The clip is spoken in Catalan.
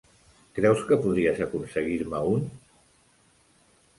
Creus que podries aconseguir-me un?